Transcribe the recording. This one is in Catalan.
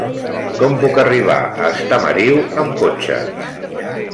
Com puc arribar a Estamariu amb cotxe?